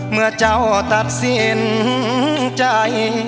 เมื่อเจ้าตัดสินใจ